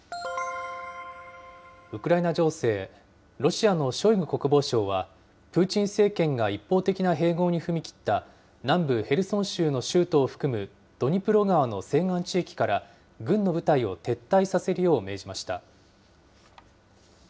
ウクライナ情勢、ロシアのショイグ国防相は、プーチン政権が一方的な併合に踏み切った、南部ヘルソン州の州都を含むドニプロ川の西岸地域から、軍の部隊を撤退させるよう命じました。